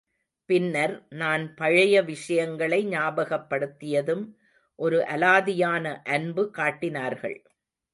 பின்னர் நான் பழைய விஷயங்களை ஞாபகப்படுத்தியதும் ஒரு அலாதியான அன்பு காட்டினார்கள்.